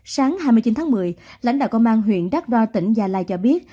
sáng hai mươi chín tháng một mươi lãnh đạo công an huyện đắk đo tỉnh gia lai cho biết